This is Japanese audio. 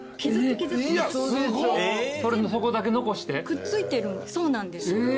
くっついてるそうなんです。